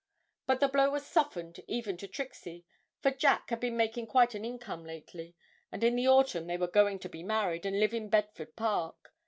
But the blow was softened even to Trixie, for 'Jack' had been making quite an income lately, and in the autumn they were going to be married and live in Bedford Park.